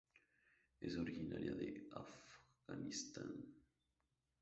Es originaria de Afganistán.